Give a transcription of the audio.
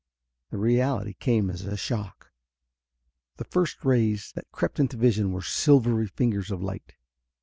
The reality came as a shock. The first rays that crept into vision were silvery fingers of light.